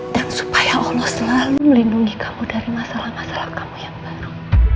dan supaya allah selalu melindungi kamu dari masalah masalah kamu yang baru